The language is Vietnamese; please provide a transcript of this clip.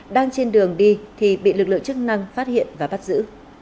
đang trên đường đi thì bị lực lượng chức năng phát hiện và bắt giữ